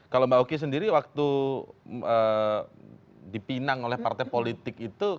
kalau mbak oki sendiri waktu dipinang oleh partai politik itu